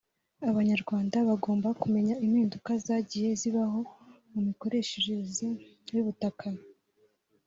Abanyarwanda bagomba kumenya impinduka zagiye zibaho mu mikoreshereze y’ubutaka